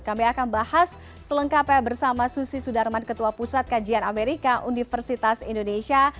kami akan bahas selengkapnya bersama susi sudarman ketua pusat kajian amerika universitas indonesia